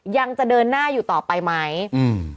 ยังจะเดินหน้าอยู่ต่อไปไหมอืม